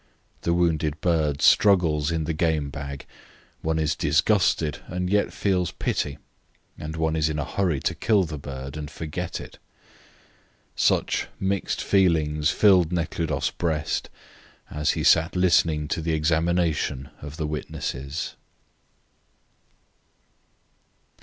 The wounded bird struggles in the game bag. One is disgusted and yet feels pity, and one is in a hurry to kill the bird and forget it. Such mixed feelings filled Nekhludoff's breast as he sat listening to the examination of the witnesses.